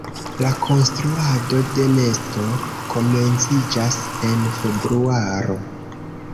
La konstruado de nesto komenciĝas en februaro.